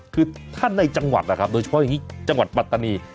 คือถ้าในจังหวัดนะครับโดยเฉพาะอย่างนี้จังหวัดปัตตานี